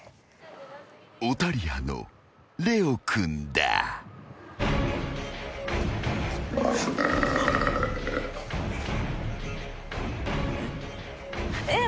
［オタリアのレオくんだ］えっ？